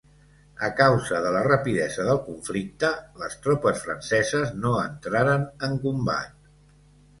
A causa de la rapidesa del conflicte, les tropes franceses no entraren en combat.